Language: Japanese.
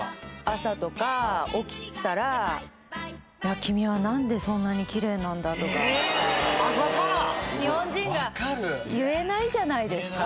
「朝とか起きたら『君は何でそんなに奇麗なんだ？』とか」「朝から⁉」「日本人が言えないじゃない」